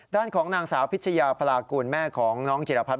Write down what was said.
ด้านของนางสาวพิชยาพลากูลแม่ของน้องจิรพัฒ